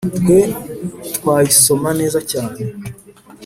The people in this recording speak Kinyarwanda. twe twayisoma neza cyane